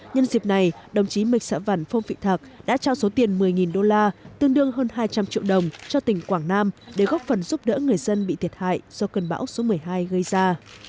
nhân dịp này đồng chí mạch xã văn phong phị thạc đã trao số tiền một mươi đô la tương đương hơn hai trăm linh triệu đồng cho tỉnh quảng nam để góp phần giúp đỡ người dân bị thiệt hại do cơn bão số một mươi hai gây ra